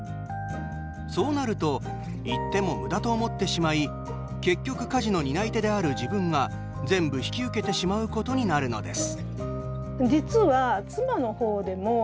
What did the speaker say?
そうなると言ってもむだと思ってしまい結局、家事の担い手である自分が全部引き受けてしまうことになるのです。